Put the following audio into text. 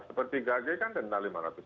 seperti gajil kan denda rp lima ratus